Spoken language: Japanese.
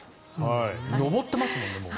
上っていますもんね、もう。